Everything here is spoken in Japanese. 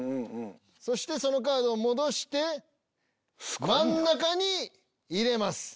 そしてそのカードを戻して真ん中に入れます。